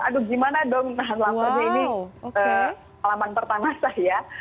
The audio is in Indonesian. aduh gimana dong nah lampunya ini alaman pertama saya